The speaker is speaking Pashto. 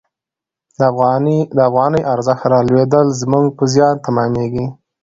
د افغانۍ ارزښت رالوېدل زموږ په زیان تمامیږي.